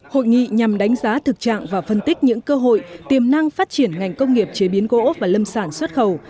hội nghị nhằm đánh giá thực trạng và phân tích những cơ hội tiềm năng phát triển ngành công nghiệp chế biến gỗ và lâm sản xuất khẩu